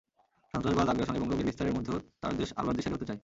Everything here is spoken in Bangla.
সন্ত্রাসবাদ, আগ্রাসন এবং রোগের বিস্তারের মধ্যেও তাঁর দেশ আলোর দিশারি হতে চায়।